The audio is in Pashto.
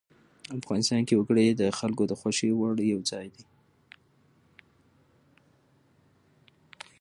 افغانستان کې وګړي د خلکو د خوښې وړ یو ځای دی.